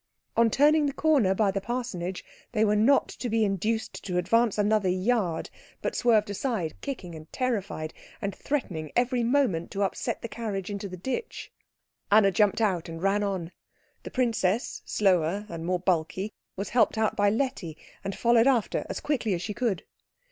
On turning the corner by the parsonage they were not to be induced to advance another yard, but swerved aside, kicking and terrified, and threatening every moment to upset the carriage into the ditch. Anna jumped out and ran on. The princess, slower and more bulky, was helped out by Letty and followed after as quickly as she could.